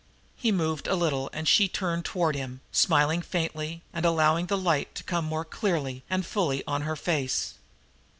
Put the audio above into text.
He moved a little, and she turned toward him, smiling faintly and allowing the light to come more clearly and fully on her face.